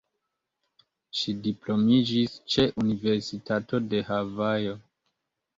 Ŝi diplomiĝis ĉe Universitato de Havajo.